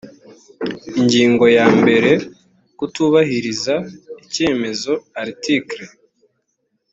ingingo ya mbere kutubahiriza icyemezo article